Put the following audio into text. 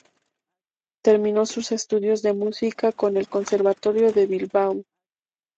Terminó sus estudios de música en el Conservatorio de Bilbao.